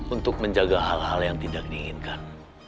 untuk menjaga hal hal yang tidak diinginkan